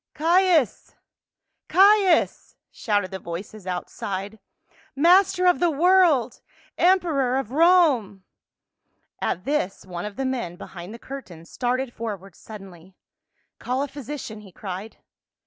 " Caius ! Caius !" shouted the voices outside. " Mas ter of the world ! Emperor of Rome !" At this one of the men behind the curtains started forward suddenly. " Call a physician," he cried.